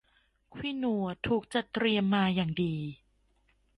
ควินัวถูกจัดเตรียมมาอย่างดี